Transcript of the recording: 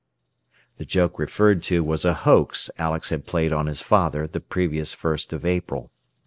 The joke referred to was a hoax Alex had played on his father the previous First of April.